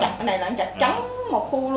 cái này là nó chặt trắng một khu luôn